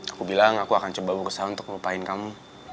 aku bilang aku akan coba berusaha untuk melupain kamu